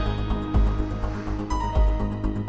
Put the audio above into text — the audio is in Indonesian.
aku sudah berhenti